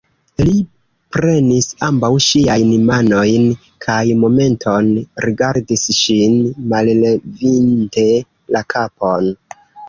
Li prenis ambaŭ ŝiajn manojn kaj momenton rigardis ŝin, mallevinte la kapon